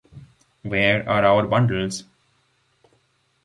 Where are our bundles?